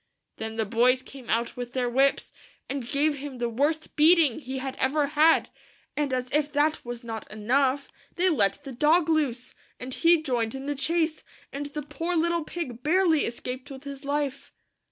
Then the boys came out with their whips and gave him the worst beating he had ever had ; and as if that was not enough, 164 THE FIVE LITTLE PIGS. they let the dog loose, and he joined in the chase, and the poor little pig barely escaped with his life.